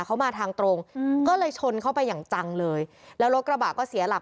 เขามาทางตรงอืมก็เลยชนเข้าไปอย่างจังเลยแล้วรถกระบะก็เสียหลัก